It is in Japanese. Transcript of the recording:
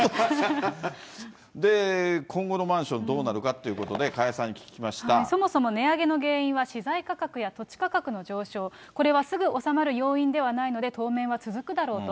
で、今後のマンション、どうなるかということで、そもそも値上げの原因は、資材価格や土地価格の上昇、これはすぐ収まる要因ではないので、当面は続くだろうと。